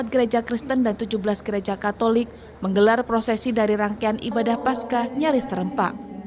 enam ratus enam puluh empat gereja kristen dan tujuh belas gereja katolik menggelar prosesi dari rangkaian ibadah pasca nyaris serempak